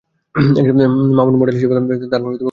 Mamun model হিসেবে তার কর্ম জীবন শুরু করেন।